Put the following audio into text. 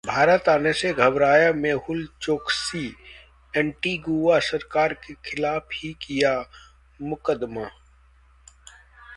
भारत आने से घबराया मेहुल चोकसी, एंटीगुआ सरकार के खिलाफ ही किया मुकदमा